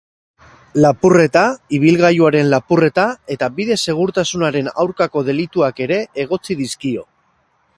Lapurreta, ibilgailuaren lapurreta eta bide segurtasunaren aurkako delituak ere egotzi dizkio.